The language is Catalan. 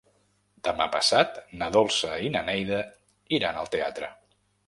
Demà passat na Dolça i na Neida iran al teatre.